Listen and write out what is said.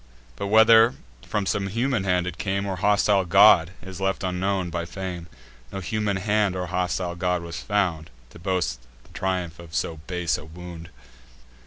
But, whether from some human hand it came, Or hostile god, is left unknown by fame: No human hand or hostile god was found, To boast the triumph of so base a wound.